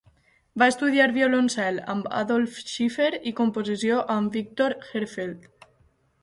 Va estudiar violoncel amb Adolf Schiffer i composició amb Viktor Herzfeld.